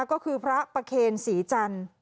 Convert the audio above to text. ก็คือพระประเคนศรีจันทร์